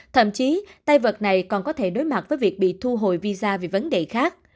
thậm chí tay vật này còn có thể đối mặt với việc bị thu hồi visa về vấn đề khác